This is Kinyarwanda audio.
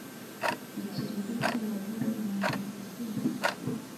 ikiriri cy’amagare y’intambara asimbuka